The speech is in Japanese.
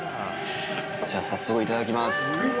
じゃあ早速いただきます。